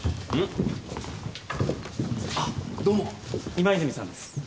今泉さんです。